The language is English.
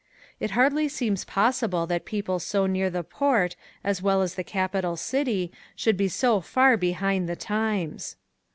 It hardly seems possible that people so near the port as well as the capital city could be so far behind the times.